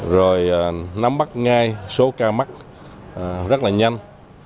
rồi nắm bắt ngay số ca mắc rất là nhanh